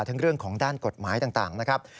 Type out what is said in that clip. เรื่องของด้านกฎหมายต่างนะครับ